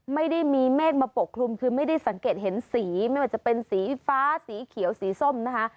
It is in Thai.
ไม่ได้มีเมฆมาปกคลุมคือไม่ได้สังเกตเห็นสีไม่ว่าจะเป็นสีฟ้าสีเขียวสีส้มนะคะ